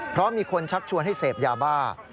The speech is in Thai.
เพราะมีคนชักชวนให้เสพยาบ้า